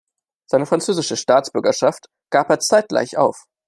Seine französische Staatsbürgerschaft gab er zeitgleich auf.